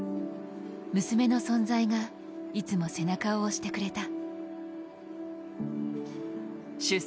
娘の存在が、いつも背中を押してくれた。